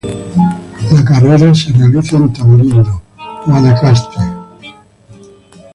La carrera se realiza en Tamarindo, Guanacaste.